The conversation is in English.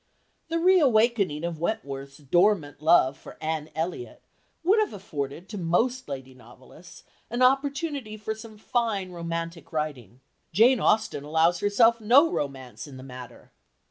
The re awakening of Wentworth's dormant love for Anne Elliot would have afforded to most lady novelists an opportunity for some fine, romantic writing. Jane Austen allows herself no romance in the matter.